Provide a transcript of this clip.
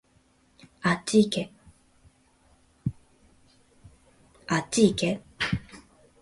あっちいけ